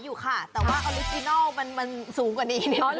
สูงกว่านี้